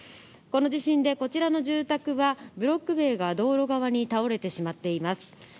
この地震で、こちらの住宅がブロック塀が道路側に倒れてしまっています。